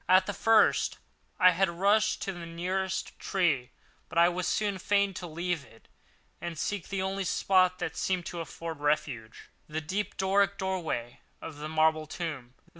At the first I had rushed to the nearest tree; but I was soon fain to leave it and seek the only spot that seemed to afford refuge, the deep Doric doorway of the marble tomb.